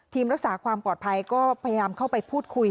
รักษาความปลอดภัยก็พยายามเข้าไปพูดคุย